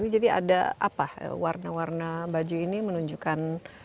jadi ada apa warna warna baju ini menunjukkan